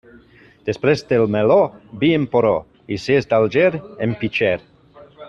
Després del meló, vi en porró, i si és d'Alger, en pitxer.